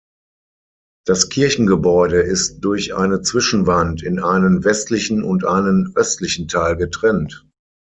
Das Kirchengebäude ist durch eine Zwischenwand in einen westlichen und einen östlichen Teil getrennt.